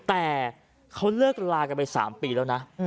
แต่เขาเลิกลากันไป๓ปีแล้วนะ